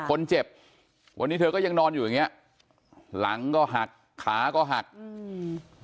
คนเจ็บวันนี้เธอก็ยังนอนอยู่อย่างเงี้ยหลังก็หักขาก็หักอืม